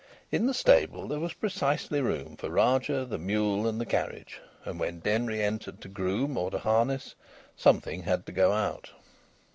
In the stable there was precisely room for Rajah, the mule and the carriage, and when Denry entered to groom or to harness, something had to go out.